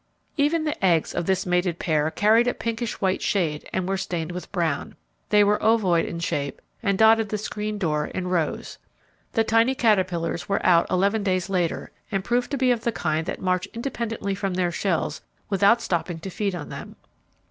Even the eggs of this mated pair carried a pinkish white shade and were stained with brown. They were ovoid in shape and dotted the screen door in rows. The tiny caterpillars were out eleven days later and proved to be of the kind that march independently from their shells without stopping to feed on them.